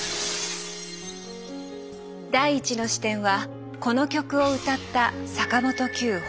第１の視点はこの曲を歌った坂本九本人。